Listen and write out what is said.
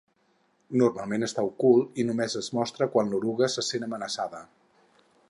Normalment està ocult i només es mostra quan l'eruga se sent amenaçada.